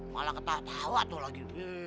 malah ketawa tuh lagi